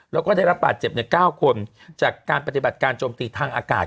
แล้วก็ได้รับบาดเจ็บใน๙คนจากการปฏิบัติการโจมตีทางอากาศ